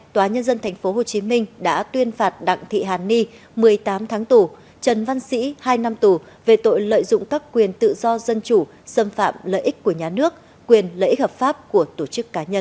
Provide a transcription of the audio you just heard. tòa nhân dân tp hcm đã tuyên phạt đặng thị hàn ni một mươi tám tháng tù trần văn sĩ hai năm tù về tội lợi dụng các quyền tự do dân chủ xâm phạm lợi ích của nhà nước quyền lợi ích hợp pháp của tổ chức cá nhân